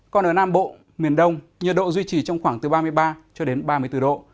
còn ở nam bộ miền đông nhiệt độ duy trì trong khoảng từ ba mươi ba cho đến ba mươi bốn độ